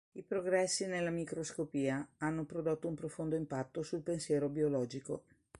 I progressi nella microscopia hanno prodotto un profondo impatto sul pensiero biologico.